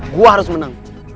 gue harus menang